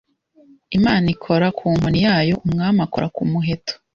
Imana ikora ku nkoni yayo, umwami akora ku muheto